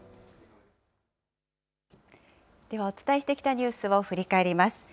ではお伝えしてきたニュースを振り返ります。